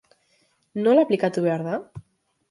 Nola aplikatu behar da?